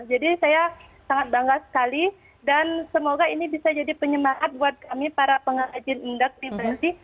jadi saya sangat bangga sekali dan semoga ini bisa jadi penyemangat buat kami para pengrajin endek di bali